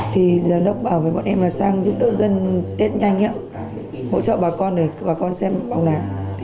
thì giám đốc bảo với bọn em là sang giúp đỡ dân test nhanh hỗ trợ bà con để bà con xem bóng đá